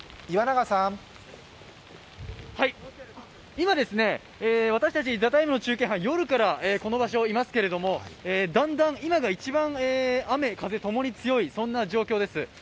今、私たち「ＴＨＥＴＩＭＥ，」の中継班、夜からいますけれどもだんだん今が一番、雨・風ともに強い、そんな状況です。